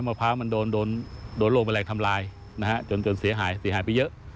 มะพร้าวมันโดนโลกแมลงทำลายจนเสียหายไปเยอะ